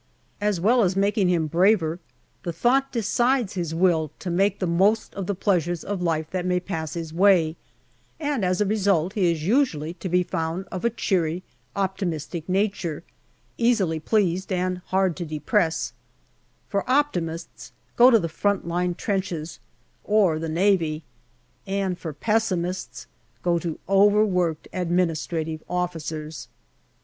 As well as making him braver, the thought decides his will to make OS w ~ H >~!! w 5 1 I 1 en t* 1 I 8 => O OS a w w >" I K c i? a I AUGUST 201 the most of the pleasures of life that may pass his way, and as a result he is usually to be found of a cheery, opti mistic nature, easily pleased and hard to depress. For optimists, go to the front line trenches or the Navy and for pessimists, go to overworked administrative officers.